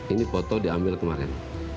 ini foto diambil kemarin